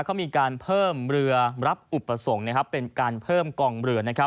เขามีการเพิ่มเรือรับอุปสรรคเป็นการเพิ่มกองเรือนะครับ